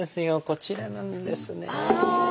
こちらなんですね。